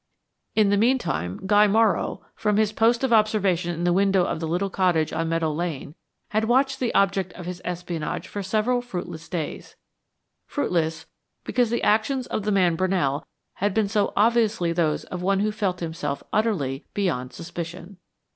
In the meantime Guy Morrow, from his post of observation in the window of the little cottage on Meadow Lane, had watched the object of his espionage for several fruitless days fruitless, because the actions of the man Brunell had been so obviously those of one who felt himself utterly beyond suspicion.